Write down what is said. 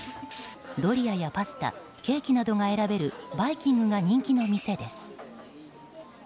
ドリアやパスタケーキなどが選べるバイキングが人気の店です。